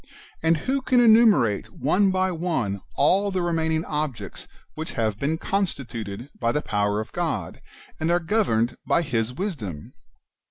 And who can enumerate one by one all the re maining objects which have been constituted by the power of God, and are governed by His wisdom